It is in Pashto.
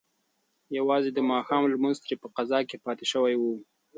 یوازې د ماښام لمونځ ترې په قضا کې پاتې شوی و.